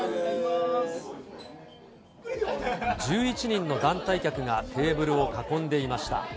１１人の団体客がテーブルを囲んでいました。